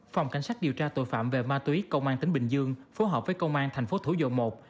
phòng cảnh sát điều tra tội phạm về ma túy công an tỉnh bình dương phối hợp với công an thành phố thủ dầu một